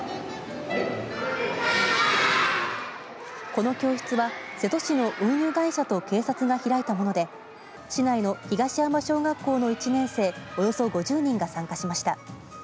この教室は瀬戸市の運輸会社と警察が開いたもので市内の東山小学校の１年生およそ５０人が参加しました。